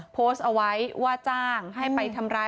โพสต์เอาไว้ว่าจ้างให้ไปทำร้าย